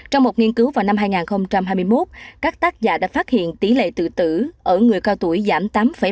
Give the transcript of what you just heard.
trong một nghiên cứu vào năm hai nghìn hai mươi một các tác giả đã phát hiện tỷ lệ tự tử ở người cao tuổi giảm tám ba